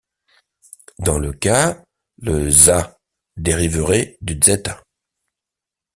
Dans ce cas, le za Զ dériverait du zêta.